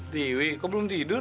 tiwi kau belum tidur